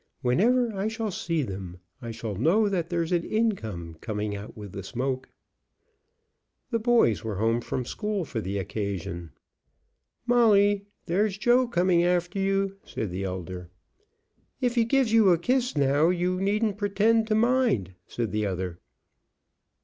"Whenever I shall see them I shall know that there's an income coming out with the smoke." The boys were home from school for the occasion. "Molly, there's Joe coming after you," said the elder. "If he gives you a kiss now you needn't pretend to mind," said the other.